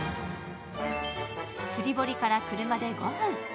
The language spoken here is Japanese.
釣堀から車で５分。